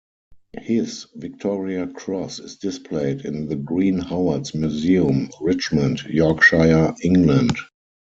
His Victoria Cross is displayed in the Green Howards Museum, Richmond, Yorkshire, England.